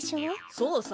そうさ。